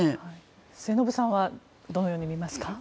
末延さんはどのように見ますか？